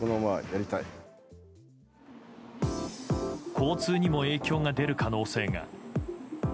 交通にも影響が出る可能性が。